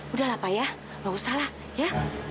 udahlah pak ya gak usah lah ya